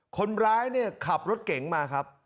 คนร้ายขับรถเก๋งมาครับ